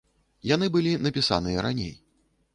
Яны былі напісаныя раней.